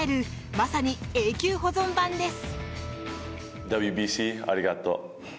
まさに永久保存版です。